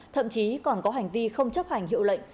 thậm chí còn có hành vi không chấp hành hiệu lệnh